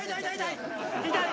痛い！